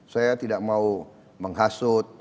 saya tidak mau menghasut